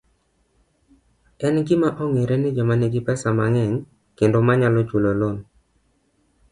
En gima ong'ere ni joma nigi pesa mang'eny kendo manyalo chulo lon